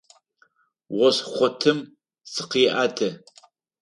Ос хъотым зыкъеӏэты.